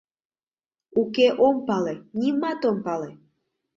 — Уке, ом пале, нимат ом пале!